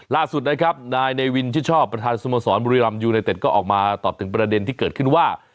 ล่าสุดนะครับนายเนวินชิดชอบประธานสโมสรบุรีรำยูไนเต็ดก็ออกมาตอบถึงประเด็นที่เกิดขึ้นว่า